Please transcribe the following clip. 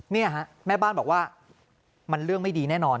เนี่ยฮะแม่บ้านบอกว่ามันเรื่องไม่ดีแน่นอน